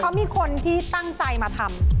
เขามีคนที่ตั้งใจมาทำ